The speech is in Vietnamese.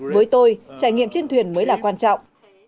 với tôi trải nghiệm trên thuyền mới là quan trọng